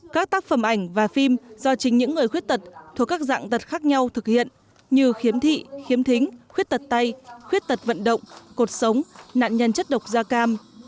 các tác phẩm ảnh và phim do chính những người khuyết tật thuộc các dạng tật khác nhau thực hiện như khiếm thị khiếm thính khuyết tật tay khuyết tật vận động cuộc sống nạn nhân chất độc da cam